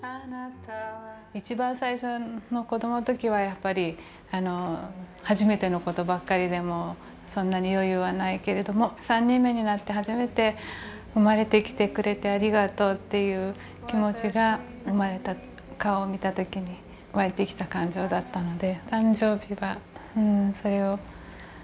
一番最初の子どもの時はやっぱり初めての事ばっかりでそんなに余裕はないけれども３人目になって初めて「生まれてきてくれてありがとう」という気持ちが生まれた顔を見た時に湧いてきた感情だったので。